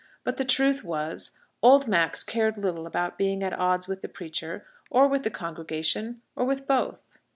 But the truth was, old Max cared little about being at odds with the preacher, or with the congregation, or with both.